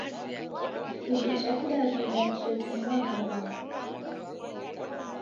Kidu cha kidaw'ida ni chezumua mabemba.